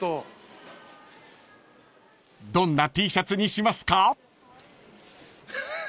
［どんなＴシャツにしますか？］